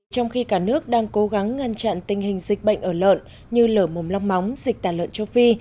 trong khi cả nước đang cố gắng ngăn chặn tình hình dịch bệnh ở lợn như lở mùm lóc móng dịch tàn lợn châu phi